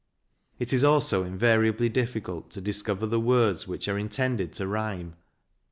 It is also invariably difficult to discover the words which are intended to rhyme.